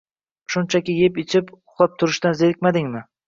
Shunchaki yeb-ichib, uxlab turishdan zerikmadingmi?